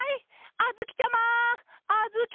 あづきちゃま！